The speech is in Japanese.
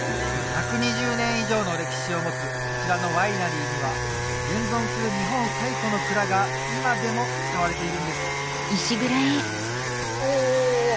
１２０年以上の歴史を持つこちらのワイナリーには現存する日本最古の蔵が今でも使われているんですお！